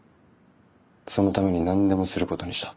そのために何でもすることにした。